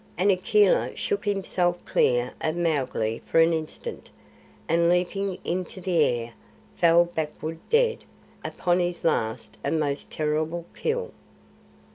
and Akela shook himself clear of Mowgli for an instant, and, leaping into the air, fell backward dead upon his last and most terrible kill.